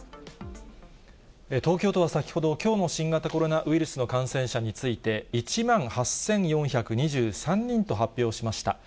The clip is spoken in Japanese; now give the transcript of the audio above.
東京都は先ほど、きょうの新型コロナウイルスの感染者について、１万８４２３人と発表しました。